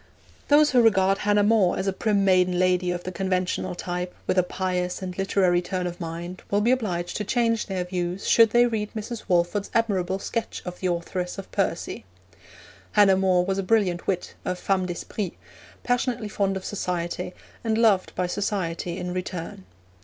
Those who regard Hannah More as a prim maiden lady of the conventional type, with a pious and literary turn of mind, will be obliged to change their views should they read Mrs. Walford's admirable sketch of the authoress of Percy. Hannah More was a brilliant wit, a femme d'esprit, passionately fond of society, and loved by society in return.